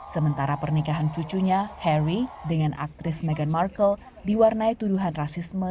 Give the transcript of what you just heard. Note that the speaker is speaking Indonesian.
sementara pernikahan cucunya harry dengan aktris meghan markle diwarnai tuduhan rasisme